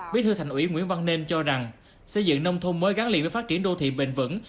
bí thư thành ủy nguyễn văn nên cho rằng xây dựng nông thôn mới gắn liền với phát triển đô thị bền vững